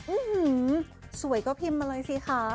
อื้อหือสวยก็พิมพ์มาเลยสิค่ะ